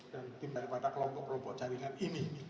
tim daripada kelompok kelompok jaringan ini